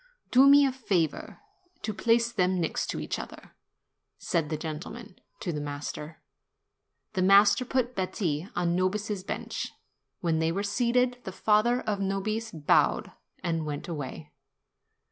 "Do me the favor to place them next each other," said the gentleman to the master. The master put Betti on Nobis's bench. When they were seated, the father of Nobis bowed and went away.